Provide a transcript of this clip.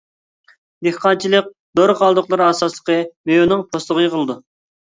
دېھقانچىلىق دورا قالدۇقلىرى ئاساسلىقى مېۋىنىڭ پوستىغا يىغىلىدۇ.